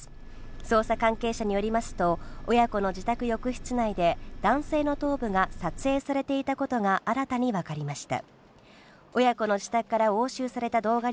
捜査関係者によりますと、親子の自宅浴室内で男性の頭部が撮影されていたことが新たにわかりました。